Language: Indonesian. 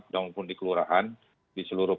dan walaupun di kelurahan di seluruh